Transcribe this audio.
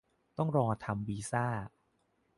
ต้องรอทำวีซ่า